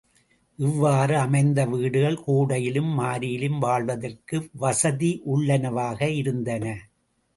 இவ்வாறு அமைத்த வீடுகள் கோடையிலும், மாரியிலும், வாழ்வதற்கு வசதியுள்ளவனவாக இருந்தன.